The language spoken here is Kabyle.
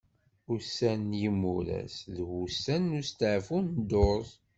Ussan n yimuras d wussan n ustaɛfu n ddurt.